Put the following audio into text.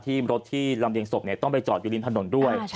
ที่รถที่ลำเรียงศพต้องไปจอดอยู่ริมถนนด้วย